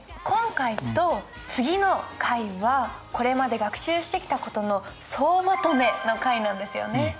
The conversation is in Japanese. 今回と次の回はこれまで学習してきた事の総まとめの回なんですよね。